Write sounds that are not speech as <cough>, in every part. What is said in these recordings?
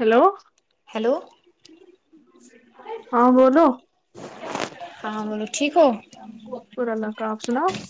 hello <inaudible> hello <inaudible> ہاں بولو <inaudible> ہاںاں بولو ٹھیک ہو <inaudible> شکر اللہ کا آپ سناؤ <inaudible>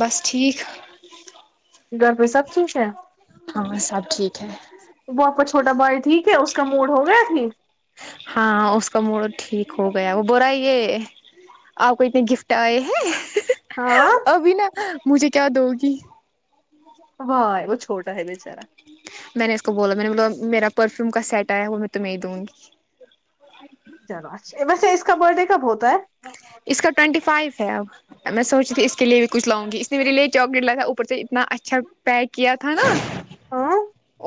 بس ٹھیک <inaudible> گھر پہ سب ٹھیک ہے وہپچ چھوٹا بوائے ٹھیک ہے اس کا موڈ ہو گیا <inaudible> ہاں اس کا موڈ ٹھیک ہو گیا وہ بو رہا یہ آپ کو اتنے گفٹ آئے ہیں ابھیین <inaudible> مجھے کیا دو گی <inaudible> ہاں ا چھوٹا ہے ج <unintelligible> میں نے اس کو بولا میں نے مط <unintelligible> میرا پرفیوم کا سیٹ آیا وہ میں تمہیں ہی دوں گی چلو اچھا ویسے اس کا برتھ ڈے کب ہوتا ہے <unintelligible> اس کا ٹوینٹی فائیو ہے اب میں سوچ رہ تھی اس کے لیے بھی کچھ لاؤں گی اس نے میرے لیے چاکلیٹ لایا تھا اوپر سے اتنا اچھا پیک کیا تھا نا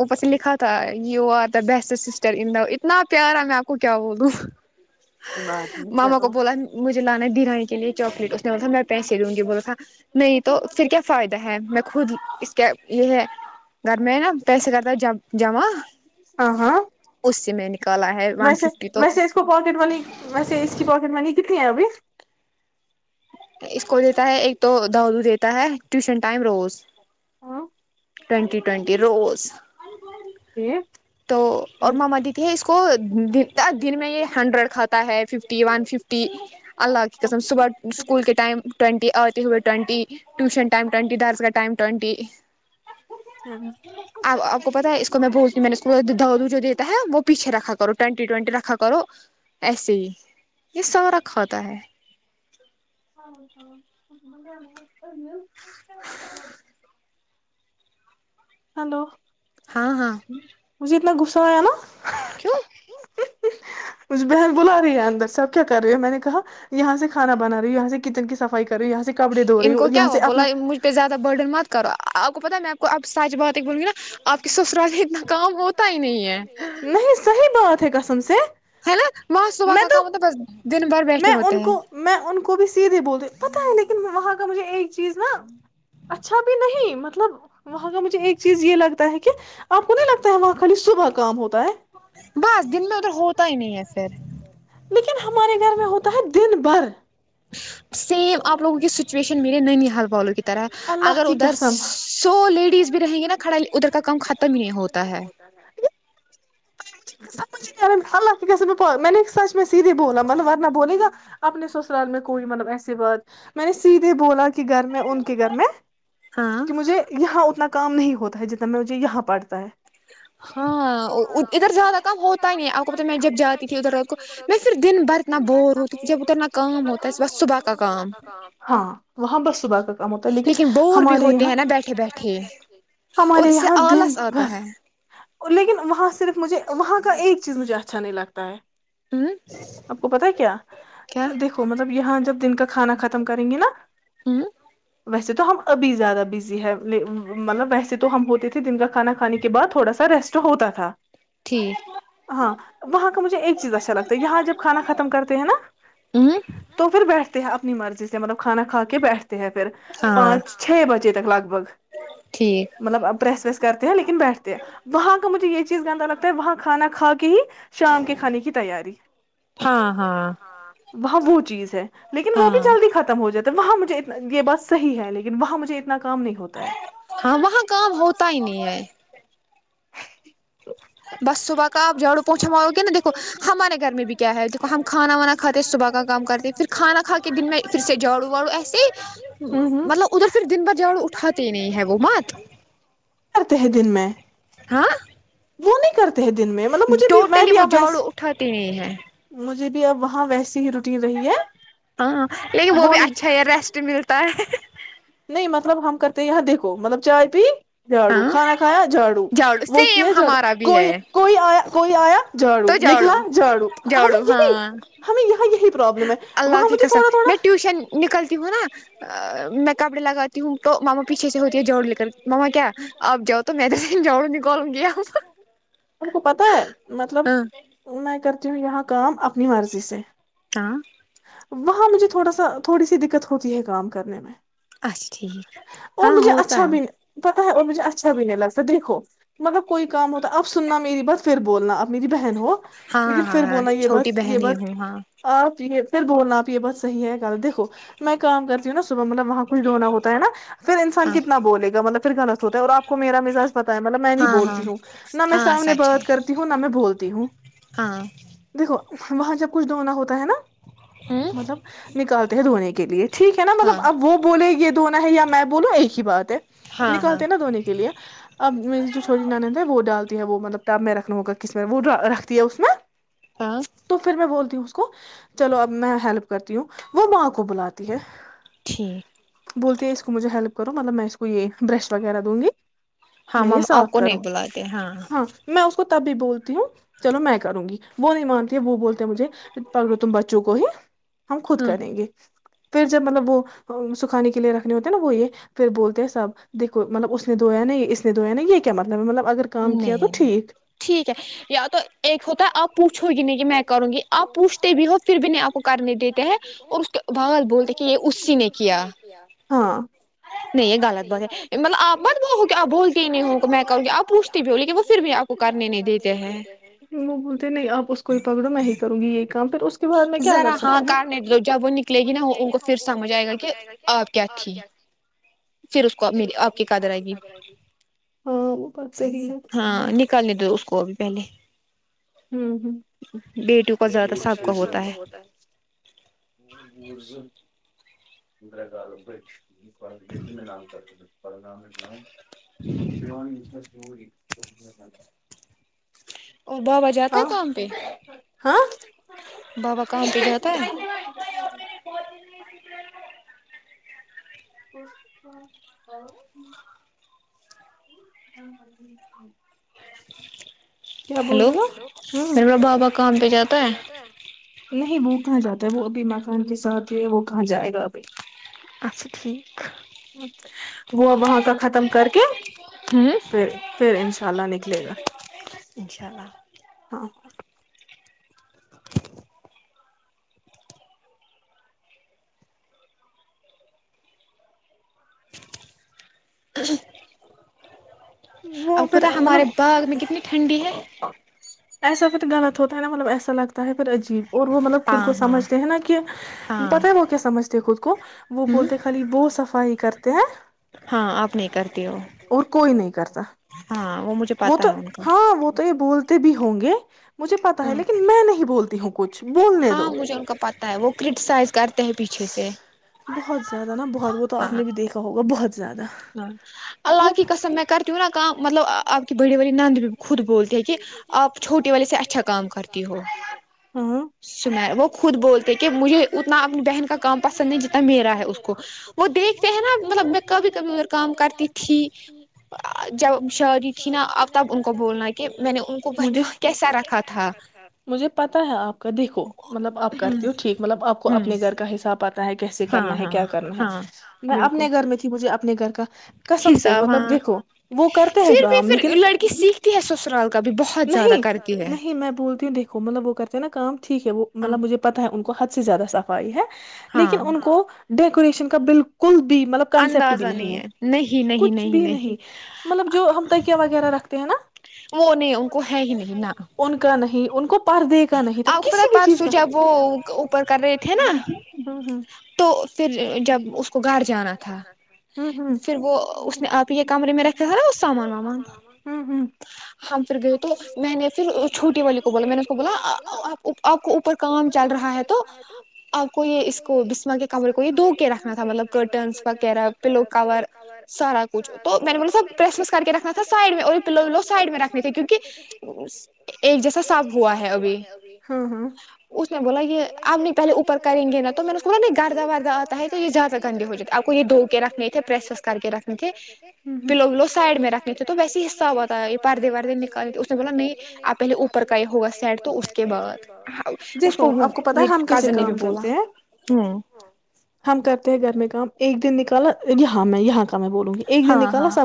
اوپر سے لکھا تھا you are the best sister دا اتنا پیارا میں آپ کو کیا بول دوں بات ہے چلو <unintelligible> مجھے لانا ہے درانی کے لیے چاکلیٹ اس نے ب میں پیسے دوں گی بول تھا نہیں تو پھر کیا فائدہ ہے میں خود اس کیا یہ ہے گھر میں نا پیسے کرتا جمع اس سے میں نے <unintelligible> ویسے ویسے اس کو پاکٹ منی ویسے اس کی پاکٹ منی کت ہیں ابھی <unintelligible> اس کو دیتا ہے ایک تو دادو دیتا ہے ٹیوشن ٹائم روز ٹوینٹی ٹوینٹی روز <unintelligible> تو اور ماما دیتییہ ہے اس کو <unintelligible> کو دن میں یہ ہنڈریڈ کھاتا ہے ففٹی ون ففٹی <unintelligible> اللہ کی قسم صبح اسکول کے ٹائم ٹوئٹی آتے ہوئے <unintelligible> ٹینٹی ٹیوشن ٹائم ٹونٹی درس کاا ٹائم ٹوینٹی <unintelligible> سر <unintelligible> کو پتا ہے اس کو میں بولتی ہ میں نے اس د جو دیتا ہے وہ پیچھے رکھا کرو ٹوینٹی ٹوینٹی رکھا کرو ایسے ہی یہ سب رکھا ہوا ہے <unintelligible> ہو ہ بان <unintelligible> ہلو <unintelligible> ہاں ہاں نا گسوائے آ نا <unintelligible> کیوں <unintelligible> مجھ بہن بلا رہی ہے اندر سے اب کیا کر رہی ہو میں نے کہا یہاں سے کھانا بنا رہی ہ یہاں سے کچن کی صفائی <unintelligible> ان کو کیا ہو بولا مجھ پہ زیادہ برڈن مت کرو اب پتا میں آ کو اب ساتج بہات ایک بولوں گی ناپ کو <unintelligible> نہیں صحیح بات ہے کسم سے میں تو میں ان کو میں ان کو بھی سیدھے بولتی ہوں پتا ہی نہیں <unintelligible> وہاں کا مجھے ایک چیز نا اچھا بھی نہیں مطلب وہاں کا مجھے ایک چیز یہ لگتا ہے کہ <unintelligible> آپ کو نہیں لگتا ہے وہاں خالی صبح کام ہوتا ہے <unintelligible> لیکن ہمارے گھر میں ہوتا <unintelligible> ہے دن بھر <unintelligible> ا <inaudible> سیم آپ لوگوں کی سچویشن میرے نمی حال والوں کی طرح اگر ادھر سو لیڈیز بھی رہیں گے نا کھڑا ادھر کا کام ختم ہی نہیں ہوتا ہے <unintelligible> س خلق <unintelligible> میں سیدھے بولا من ورنا بول گا <unintelligible> اپنے سسرال میں کوئی مطلب ایسی بات <unintelligible> میں نے سیدھے بولا کہ گھر میں ان کے گھر میں کہ مجھے یہاں اتنا کام نہیں ہوتا ہے جتنا میں مجھے یہاں پڑتا ہے ہاں ادھر زیادہ کام ہوتا ہی نہیں آپ کو پتا میں جب جاتی تھی ادھر اد کو میں پھر دن بھر اتنا بور ہوتی تھی جب ادھر نہ کام ہوتا ہے بس صبح کا کام <unintelligible> ہاں وہاں بس صبح کا <unintelligible> ہوتا لیکن ہمارے یہاں ہمارے یہاں دن بھر لیکن وہاں صرف مجھے وہاں کا ایک <unintelligible> چیز مجھے اچھا نہیں لگتا ہے <unintelligible> آپ کو پت ہے کیا دیکھو مطلب یہاں <unintelligible> جب دن کا <unintelligible> کھانا ختم کریں گی نا ہوں <unintelligible> ویسے تو ہم ابھی زیادہ بزی ہے مطلب ویسے تو ہم ہوتے تھے دن کا کھانا کھانے کے بعد تھوڑا سا ریسٹ ہوتا تھا ہاں وہاں کا مجھے ایک چیز اچھا لگتا ہے یہاں جب کھانا ختم کرتے ہیں نا تو پھر بیٹھتے <unintelligible> اپنی مرضی سے مطلب <unintelligible> کھانا کھا کے بیٹھتے ہیں پھر پانچ چھ بجے تک لگ بھگ مطلب پریس ویس کرتے ہیں لیکن بیٹھتے ہیں وہاں کا مجھے یہ چیز گندا لگتا ہے وہاں کھانا کھا کے <unintelligible> کی <inaudible> شام کے کھانے کی تیاری ہاں ہاں <unintelligible> وہاں وہ چیز ہے <unintelligible> لیکن وہ بھی جلدی ختم ہو جاتا <unintelligible> وہاں مجھےت یہ بات صحیح ہے لیکن وہاں مجھے اتنا <unintelligible> ہاں وہاں کام ہوتا ہی نہیں ہے <unintelligible> بس صبح <unintelligible> تو آپ جھاڑو پہنچاواؤ گے نا دیکھو ہمارے گھر میں بھی کیا ہے دیکھو ہم کھانا وانا کھاتے صبح کا کام کرتے پھر کھانا کھا کے دن میں پھر سے جھاڑو واڑو ایسے مطلب ادھر پھر دن ب جھاڑو اٹھاتے ہی نہیں ہے وہ مت ہاں <unintelligible> وہ نہیں کرتا <unintelligible> دن میںطلب مجھے <unintelligible> چلیے وہ جاڑو اٹھاتے نہیں ہیں <unintelligible> مجھے بھی اب وہاں ویسی ہی ر <unintelligible> ہاں لیکن وہ بھی اچھا ریسٹ ملتا ہے <unintelligible> نہیں مطلب ہم کرتے یہاں دیکھو مطلب چائے پی <unintelligible> جھاڑو کھانا کھایا جھاڑو وہ کیا جاڑو کوئی کوئی آیا کوئی آیا جھاڑو نکلا جھاڑو ہمیں یہی ہمیں یہاں یہی <unintelligible> اللہ کی قسم میں ٹیوشن نکلتی ہوں نا <unintelligible> ا میں کپڑے لگاتی ہوں تو ماما <unintelligible> پیچھے سے ہوتی ہے جاڑو لے کر ماما کیا آپ جاؤ تو میں تو جاڑو نکالوں گ <unintelligible> ہم کو پتا ہے مطلب میں کر ت یہاں کام اپنی مرضی سے ہاں <inaudible> وہاں مجھے تھوڑا سا تھوڑی سی دقت ہوتی ہے کام کرنے میں ہاں ہوتا ہے پتا ہے اور مجھے اچھا بھی نہیں لگتایکھو مطلب کوئی کام ہوتا اب سننا میری بات پھر بھی بولنا آپ میری بہن ہو لیکن پھر بولنا یہ بس یہ بس آپ یہ پھر بولنا آپ یہ بات صحیح ہے گل دیکو میں کام کرتی ہوں نا صبح مطلب وہاں کچھ دھونا ہوتا ہے نا پھر انسان کتنا بولے گا مطلب کااست ہوتا ہے اور آپ کو میرا مزاج پتا ہے مطلب میں نہیں بولتی ہوں نہ میں سامنے بات کرتی ہوں نہ میں بولتی ہوں دیکھو وہاں جب کچھ دنا ہوتا ہے نا مطلب نکالتے ہیں دھونے کے لیے ٹھیک ہے نا مطلب اب وہ بولے یہ ہونا ہے یا میں بولو ایکقی باد <inaudible> نکالتے نا دنی کے لیے اب میری جو چھوٹی نان تھ وہ ڈالتے <unintelligible> ہے وہ مطلب تب میں رکھنا ہوگا کس میں وہ رکھتی ہے اس میں تو پھر میں بولتی ہوں کو چلو اب میں ہیلپ کرتی ہوں وہ بک کو بلاتی ہے بولتے اس مجھے ہیلپ کرو مطلب میں اس کو یہ برش وغیرہ دوں گی میں یہ صاف کروں ہاں میں اس تب بھی بولتی ہوں چلو میں کروں گی وہ نہیں مانتی وہ بولتی مجھے پلو تم بچوں کو ہی <inaudible> ہم خود کریں گے <unintelligible> پھر جب مطلب وہ سکھانے کے لیے رکھ <inaudible> ہوتے ہیں نا وہ یہ پھر بولتے ہیں سب دیکو مطلب اس نے د ہےیا نہیں اس نے د ہےیا نہیں یہ کیا مطلب ہے مطلب نہیں ٹھیک ہے یا تو ایک ہوتا ہے آپ اں <inaudible> نہیں یہ غلط بول ہو میں کہوں گی آپ پوچھی وہھر بھی آپ کرنےھیک وہ بولتے نہیںپ <inaudible> کوئی پکڑو میں ہی کروں گی یہ <unintelligible> ذرا ہاں کارنے دے دو جب وہ نکلے گی نا وہ ان کو پھر سمجھ آئے گا کہ آپ کیا تھی پھر اس کو میری آپ کی قدر آئے گی ہاں نکالنے دے دو اس کو اب پہلے بیٹو کو جا تھا سب <unintelligible> ز <inaudible> ندرگال بکش جی میں نام چ رہا <unintelligible> بلگرام ہےاؤوں <unintelligible> دیو <inaudible> جوور س <inaudible> ج <inaudible> اور بابا جاتا ہے کام پہ بابا کام پہ جاتا ہے <unintelligible> <inaudible> اچ کیا بول رہی ہو ہ ما پابا کااں پہ جاتا ہے <unintelligible> نہیں وہ کہاں جاتا ہے وہ ابھی مکان کے ساتھ ہے وہ کہاں جائے گا ابھی <unintelligible> اچھا ٹھیک <unintelligible> گ وہاں کا ختم کر کے پھر پھر انشاء اللہ نکلے گا ہاں ہ <unintelligible> <inaudible> ا <inaudible> وہ پھر مطلب <unintelligible> ایسا پھر غلط ہوتا ہے ن ملب ایسا لگتا ہے <unintelligible> پھر عجیب اور وہ مطلب خود کو سمجھتے ہیں نا کہ پت ہے وہ کیا سمجھتے خود کو وہ بولتے خالی وہ صفائی کرتے ہیں اور کوئی نہیں <unintelligible> ہاں وہ مجھے پتا ہے ان کا <unintelligible> بولتے بھی ہوں گے <unintelligible> مجھے پتا ہے لیکن میں نہیں بولتا <unintelligible> توں کھ <unintelligible> بولنے دو بہت زیادہ نا بہت وہ تو آپ نے بھی دیکھا ہوگا بہت <unintelligible> ہاں اللہ کی کسم میں کر <unintelligible> کیوں نہا کام مطلب آپ کی بڑی والی نند بھی خود بولتے ہیں کہ آپ چھوٹے والے سے اچھا کام کرتی ہو سنرا وہ خود بولتے کہ مجھے اتنا اپنی بہن کا کام پسند نہیں جتنا میرا ہے اس کو وہ دیکھتے ہیں نا مطلب میں کبھی <unintelligible> کب کام کرتی تھی <unintelligible> جھ مجھے پتا ہے آپ کا دیکھو مطلب آپ کرتے ہو ٹھیک مطلب آپ کو اپنے گھر کا حساب <unintelligible> پتا ہے کیسے کرنا ہے کیا کرنا ہے میں اپنے گھر میں تھی مجھے اپ <unintelligible> اپنے گھر <unintelligible> قسم سے مطلب ر <unintelligible> پھر بھی پھر لڑکی سیکھتی ہے سسرال کا بھی <unintelligible> نہیں نہیں میں بولتی ہوں دیکھو مطلب وہ کرتے ہیں نا کام ٹھیک ہے وہ مطلبجھے پتا ہے ان کو حد سے زیادہ صفائی ہے لیکن ان کو ڈیکوریشن کا بالکل مطلب کنسپٹ بھی نہیں ہے کچھ بھی نہیں مطلب جو ہم تکیا وغیرہ رکھتے ہیں نا <unintelligible> ان کا نہیں <unintelligible> پردے کا نہیں تھا کسی بھی چیز کا ہ ہ <unintelligible> تو پھر جب اس کو گھر جانا تھا پھر وہ اس نے آپ ہی کے کمرے میں رکھا تھا نا وہ سامان وامان <unintelligible> ہم پھر گئے تو میں نے پھر چھوٹی والے کو بولا میں نے اس کو بولا آپ کو اوپر کام چل رہا ہے تو آپ کو یہ اس کو بسما کے کمر کو یہ دو کے رکھنا تھا مطلب کرٹنس وغیرہ پلو کور سارا کچ تو میں نے مطب سب پرریس وس کر کے رکھنا تھا سائڈ میں اور پلو ولو سائڈ میں رکھنا رک ایک جیسا صاف ہوا ہے ابھی اس نے بولا یہ اب نہیں پہلے اوپر کریں گے نہیں گردا ردہ آتا ہے تو یہ زیادہ گندے ہو جاتے اک کو یہ دھو کے رکھنے تھے پریسس کر کے رکھنے تھے پلو ولو سائڈ میں رکھنے تھے تو ویس ہی حساب آتا ہے یہ پردے ود باردے باردے نکال دی اس نے بولا نہیں آپ پہلے اوپر کا ایک ہوا سائڈ تو اس کے بعد دیکھو آپ کو پتا ہے ہم کیسے کام کرتے ہیں ہم کرتے ہیں گ میں کام ایک دن نکالا یہاں میں یہاں کا ہاں ہاں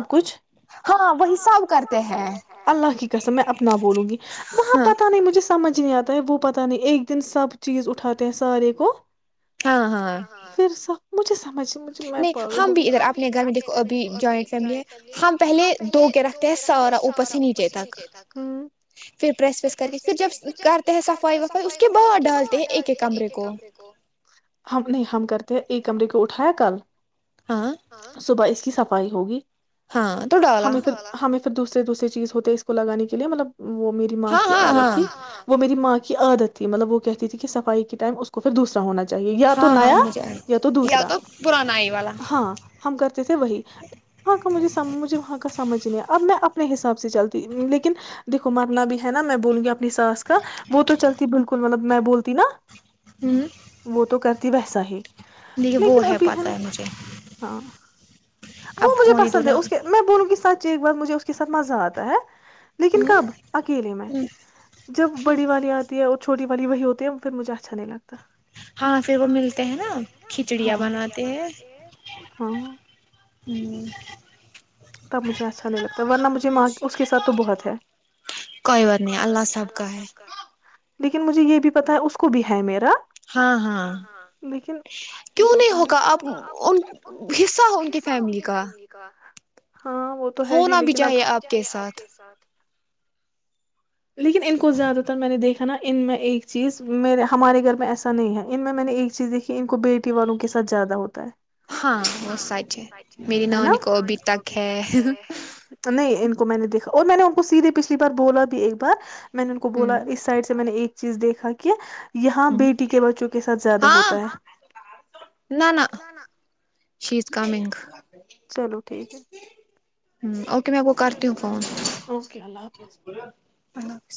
ہاں وہیساب کرتے ہیں اللہ کی کسم میں اپنا بولوں گی وہاں پتا نہیں مجھے سمجھ نہیں آتا ہے وہ پتا نہیں ایک دن سب چیز اٹھاتے ہیں سارے کو پھر س مجھے ہم بھی اھر اپنے گھر میں دیکو اب جوائنٹ فم ہے ہم پہلے دو کے رکھتے ہیں سا اوپر سے نچے تک پس کر جب کرتے ہیں سفائی وائی اس کے ب ڈالتے ہیں ایک ایک کمرے کو ہم نہیں ہم کرتے ایک کمرے کو تو اٹھایا کل صبائی کی صفائی ہوگی ہمیں تو ہمیں دوسرے دوسری چیز تے اس کو لگان کے لیے مطلب وہ میری ماں کی عادت تھی وہ میری ماں عادت تھی مطلب وہ کہتی تھی کہفائی کے ٹائم اس کو پھر دوسرا ہونا چ چاہے یا تو نیا یا تو دوسرا ہاں ہم کرتے تھے وہی ہ کا مجھے مجھے وہاں کا سمجھ نہیں آ اب میں اپنے حساب سے چلتا لیکن دیکو مرنا بھی ہے نا میں بولوں گی ساس کا وہ تو چلتی بالکل مطلب میں بولتی نا وہ تو کر ت ویسے ہی دیکھیے وہ ہے پاتا ہے مجھے وہ مجھے پسند ہے اس کے میں بول کے ساتھ ایک بار مجھے اس کے سھ مزہ آتا ہے لیکن کب اکیلے میں جب بڑی والی آتی ہے ا تو چھٹی والی وہی ہوتی پ مجھے اچھا نہیں لگتا ہاں پھر وہ ملتے ہیں نا چڑیا بناتے ہیں ہوں تو ورنہ مجھے ماں اس کے ساتھ تو بہت ہے کوئی اورور نہیں اللہ صاحب کا ہے لیکن مجھے یہ بھی پتتا ہے اس کو بھی ہے میرا ہاں ہاں کیوں نہیں ہوگا اپ ان حصہ ہو ان کی فیملی کا ہاں وہ تو ہے ہی لیکن اب بھیائیے آپ کے ساتھ لیکن ان کو زیادہ تر میں نے دیکھا نا ان میں ایک چیز میرے ہمارے گھر میں ایسا نہیں ہے ان میں میں نے ایک چیز دیکھی ان کو بیٹی والوں کے ساتھ زیادہ ہوتا ہے ہاں وہ سچ ہے میری نونی کو ابھی تک ت تو میں ان کو میں نے دیکھا اور میں نے ان کو سیدھے پچھلی بار بولا بھی ایک بار میں نے ان کو بولا اس سائڈ سے میں نے ایک چیز دیک کہ یہاں بیٹی کے بچوں کے ساتھ زیادہ ہوتا ہے شیز کمنگ چلو ٹھیک ہے ہ ا ک میں کو کرتی ہوں فون اللہ حافظ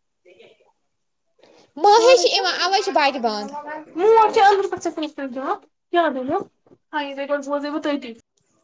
ج <inaudible> خ رہ <unintelligible> سھ <unintelligible> یا د ن ہ گ گ بوزے بتتیھی <unintelligible>